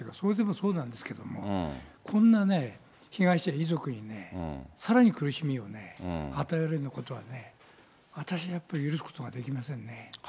それならまだ、まだっていうか、それでもそうなんですけれども、こんなね、被害者遺族にさらに苦しみをね、与えられることは、私はやっぱり許すことができません